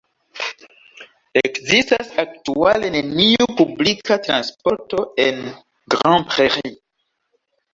Ekzistas aktuale neniu publika transporto en Grand Prairie.